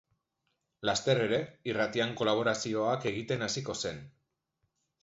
Laster ere irratian kolaborazioak egiten hasiko zen.